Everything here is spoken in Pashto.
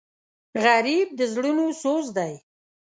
غریب د زړونو سوز دی